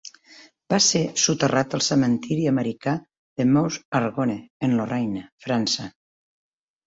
Va ser soterrat al cementiri americà Meuse-Argonne en Lorraine, França.